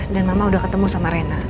dan mama udah ketemu sama rena